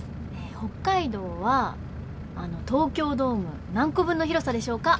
北海道はあの東京ドーム何個分の広さでしょうか？